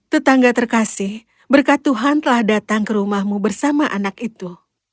tetangga terkasih berkat tuhan telah datang ke rumahmu bersama anak itu